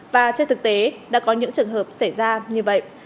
và trên thực tế đã có những trường hợp xảy ra như vậy